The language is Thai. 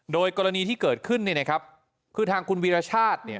โดยกรณีที่เกิดขึ้นเนี่ยนะครับคือทางคุณวีรชาติเนี่ย